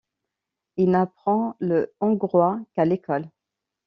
Il n'apprend le hongrois qu'à l'école.